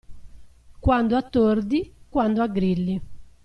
Quando a tordi, quando a grilli.